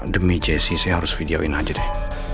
demi jessi saya harus videoin aja deh